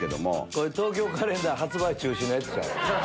これ『東京カレンダー』発売中止のやつちゃうん？